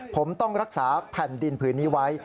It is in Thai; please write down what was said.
ผมต้องรักษาแผ่นดินผืนนี้ไว้